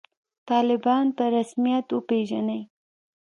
طالبان په رسمیت وپېژنئ